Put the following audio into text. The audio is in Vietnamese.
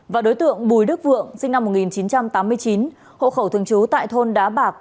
và đối tượng bùi đức vượng sinh năm một nghìn chín trăm tám mươi chín hộ khẩu thường trú tại thôn đá bạc